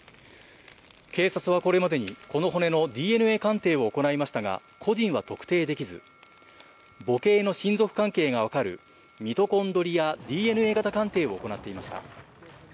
警察はこれまでに、この骨のＤＮＡ鑑定を行いましたが、個人は特定できず、母系の親族関係が分かるミトコンドリアＤＮＡ型鑑定を行っていました。